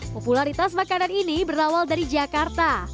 popularitas makanan ini berawal dari jakarta